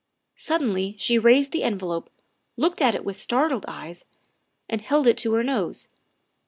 Suddenly she raised the envelope, looked at it with startled eyes, and held it to her nose.